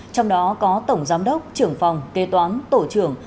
trong đó có tổng giám đốc trưởng phòng kê toán tổ trưởng